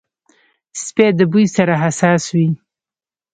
سپي د بوی سره حساس وي.